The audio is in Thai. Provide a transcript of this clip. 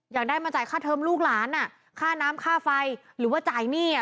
อยากได้มาจ่ายค่าเทิมลูกหลานอ่ะค่าน้ำค่าไฟหรือว่าจ่ายหนี้อ่ะ